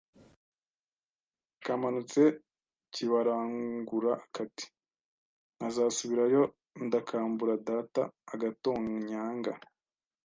Kamanutse kibarangura kati nkazasubirayo ndakambura dataAgatonyanga